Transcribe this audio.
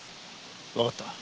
わかった。